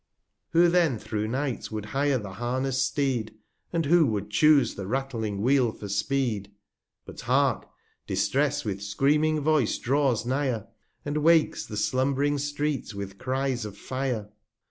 350 Who then through Night would hire the harness'd Steed, And who would chuse the rattling Wheel for Speed ? 46 TRIVIA But hark! Distress with screaming Voice draws nigh'r, And wakes the slumb'ring Street with Cries of Fire.